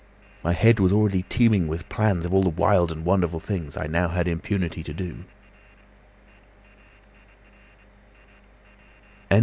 My head was already teeming with plans of all the wild and wonderful things I had now impunity to do."